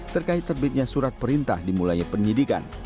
terkait terbitnya surat perintah dimulainya penyidikan